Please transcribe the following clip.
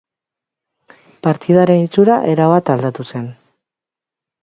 Partidaren itxura erabat aldatu zen.